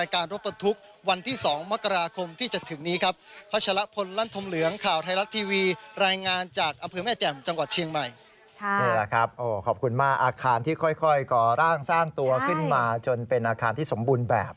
นี่แหละครับขอบคุณมากอาคารที่ค่อยก่อร่างสร้างตัวขึ้นมาจนเป็นอาคารที่สมบูรณ์แบบ